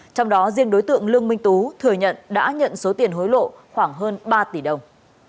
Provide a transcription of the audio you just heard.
trong đó riêng đối tượng lương minh tú thừa nhận đã nhận số tiền hối lộ khoảng hơn ba tỷ đồng